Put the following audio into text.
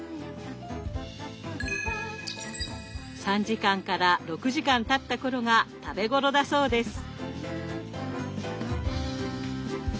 ３時間から６時間たった頃が食べ頃だそうです。